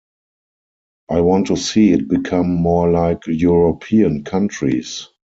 I want to see it become more like European countries.